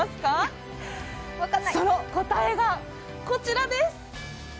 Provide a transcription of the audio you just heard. その答えがこちらです。